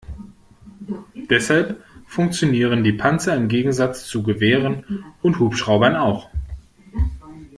Deshalb funktionieren die Panzer im Gegensatz zu Gewehren und Hubschraubern auch.